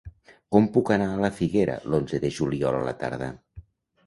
Com puc anar a la Figuera l'onze de juliol a la tarda?